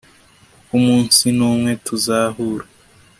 kuko umunsi ni umwe tuzahura